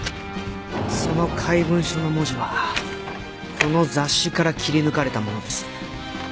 その怪文書の文字はこの雑誌から切り抜かれたものです。